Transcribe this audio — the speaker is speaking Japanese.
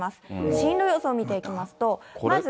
進路予想を見ていきますと。